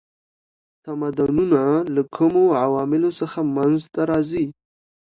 تمدنونه له کومو عواملو څخه منځ ته راځي؟